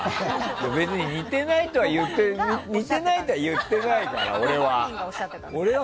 別に似てないとは言ってないから。